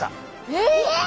えっ！？